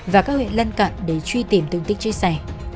và các huyện lân cận để truy tìm tương tích chia sẻ